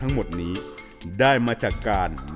มีหลานชายคนหนึ่งเขาไปสื่อจากคำชโนธ